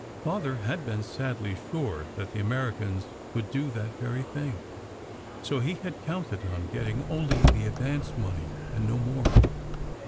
Father had been sadly sure that the Americans would do that very thing, so he had counted on getting only the advance money and no more.